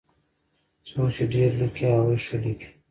څوک چې ډېر ليکي هغوی ښه ليکي.